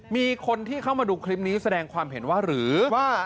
มีคนที่เข้ามาดูคลิปนี้แสดงความเห็นว่าหรือว่า